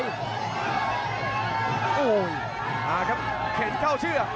โอ้โหมาครับเข็นเข้าเชือก